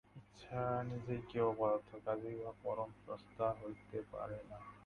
ইচ্ছা নিজেই জ্ঞেয় পদার্থ, কাজেই উহা পরম সত্তা হইতে পারে না।